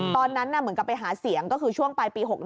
เหมือนกับไปหาเสียงก็คือช่วงปลายปี๖๑